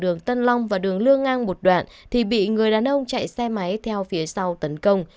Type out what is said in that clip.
đường tân long và đường lương ngang một đoạn thì bị người đàn ông chạy xe máy theo phía sau tấn công